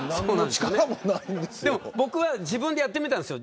僕は自分でやってみたんですよ。